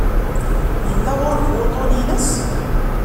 Yella ɣur-k wuṭṭun-ines?